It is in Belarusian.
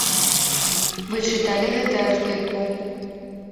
Вы чыталі гэты артыкул?